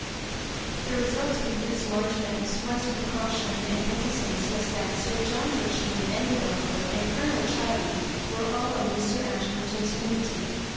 The result of Miss Maijoribanks's wise precau tion and reticence was that Sir John Richmond and the Doctor and Colonel Chiley were all on Mr. Ashburton^s committee.